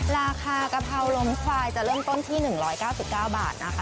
ราคากะเพราล้มควายจะเริ่มต้นที่๑๙๙บาทนะคะ